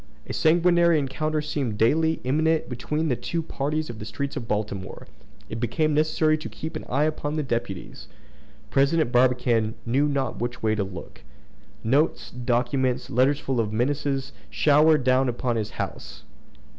A sanguinary encounter seemed daily imminent between the two parties in the streets of Baltimore. It became necessary to keep an eye upon the deputies. President Barbicane knew not which way to look. Notes, documents, letters full of menaces showered down upon his house.